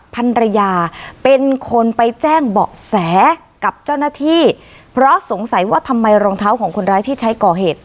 ภรรยาเป็นคนไปแจ้งเบาะแสกับเจ้าหน้าที่เพราะสงสัยว่าทำไมรองเท้าของคนร้ายที่ใช้ก่อเหตุ